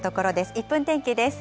１分天気です。